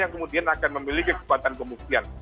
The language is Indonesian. yang kemudian akan memiliki kekuatan pembuktian